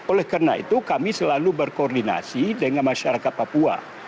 oleh karena itu kami selalu berkoordinasi dengan masyarakat papua